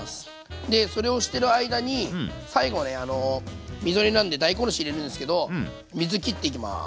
でそれをしてる間に最後はねみぞれなんで大根おろし入れるんですけど水きっていきます